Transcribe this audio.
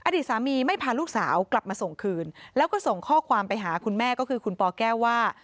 อดีตสามีไม่พาลูกสาวกลับมาส่งคืนแล้วก็ส่งข้อความไปหาคุณแม่ก็คือคุณปแก้วว่า